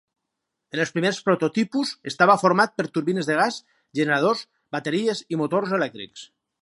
En els primers prototipus estava format per turbines de gas, generadors, bateries i motors elèctrics.